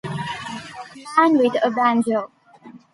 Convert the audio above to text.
Man With a Banjo.